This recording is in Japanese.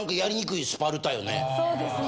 そうですね。